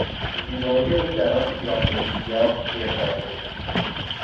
زیبایی او در آن پیراهن سیاه خیرهکننده بود.